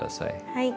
はい。